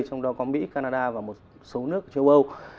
trong đó có mỹ canada và một số nước châu âu